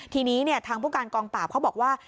ทีนี้ทางผู้การกองปราบเขาบอกว่า